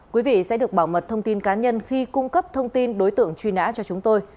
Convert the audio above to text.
quý vị sẽ được bảo mật thông tin cá nhân khi cung cấp thông tin đối tượng truy nã cho chúng tôi